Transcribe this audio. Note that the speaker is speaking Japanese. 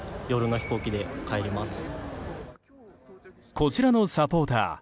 こちらのサポーター。